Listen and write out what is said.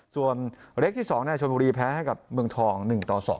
ส่วนเล็กที่๒ชนบุรีแพ้ให้กับเมืองทอง๑ต่อ๒